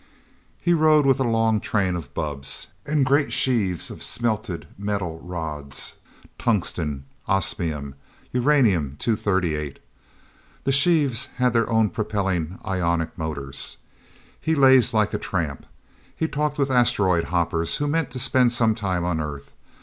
He rode with a long train of bubbs and great sheaves of smelted metal rods tungsten, osmium, uranium 238. The sheaves had their own propelling ionic motors. He lazed like a tramp. He talked with asteroid hoppers who meant to spend some time on Earth.